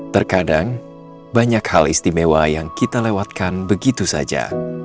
terkadang banyak hal istimewa yang kita lewatkan begitu saja